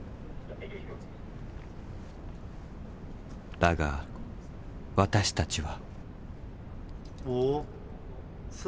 だが私たちは。